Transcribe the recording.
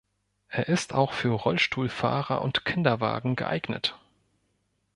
Er ist auch für Rollstuhlfahrer und Kinderwagen geeignet.